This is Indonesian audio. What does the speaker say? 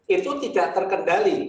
itu tidak terkendali